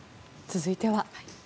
続いては。